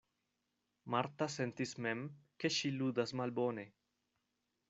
Marta sentis mem, ke ŝi ludas malbone.